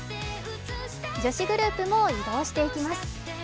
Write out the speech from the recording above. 女子グループも移動していきます。